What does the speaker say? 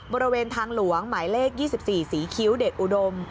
บริเวณทางหลวงหมายเลข๒๔ศรีคิ้วเดชอุดม